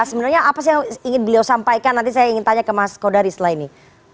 sebenarnya apa sih yang ingin beliau sampaikan nanti saya ingin tanya ke mas kodari setelah ini